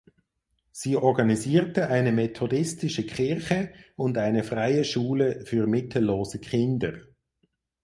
Sie organisierte eine methodistische Kirche und eine freie Schule für mittellose Kinder.